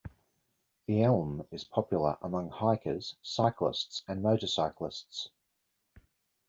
The Elm is a popular among hikers, cyclists, and motor cyclists.